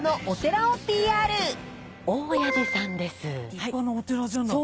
立派なお寺じゃない。